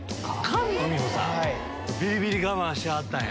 ビリビリ我慢しはったんや。